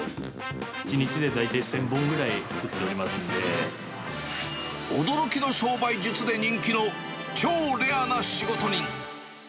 １日で大体１０００本ぐらい驚きの商売術で人気の、超レアな仕事人。